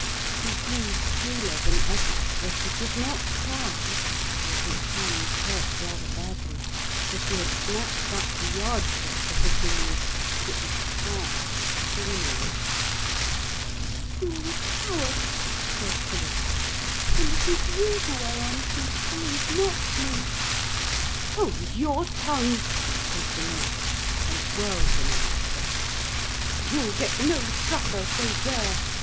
He grew paler than ever, but he did not cry, though his hands hurt rather badly. For she had snatched up the yard stick to hit him with, and it was hard and cornery. 'You are a coward,' said Philip, 'and it is you who are untruthful and not me.' 'Hold your tongue,' said the nurse, and whirled him off to bed. 'You'll get no supper, so there!'